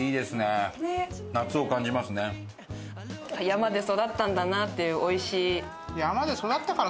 山で育ったんだなっていうおいしい。